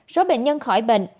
số bệnh nhân khỏi bệnh